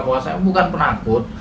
bahwa saya bukan penakut